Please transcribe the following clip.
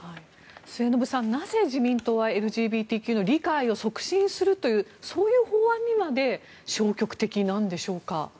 末延さん、なぜ自民党はＬＧＢＴＱの理解を促進するというそういう法案にまで消極的なんでしょうか。